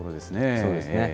そうですね。